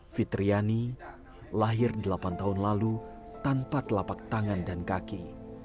fitriani lahir delapan tahun lalu tanpa telapak tangan dan kaki